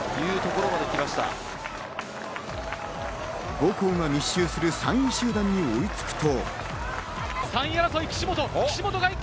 ５校が密集する３位集団に追いつくと。